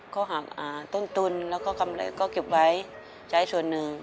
ก็หาต้นแล้วก็เก็บไว้ใช้ส่วนหนึ่ง